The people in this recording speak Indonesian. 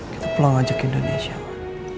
kita pulang ajak indonesia ma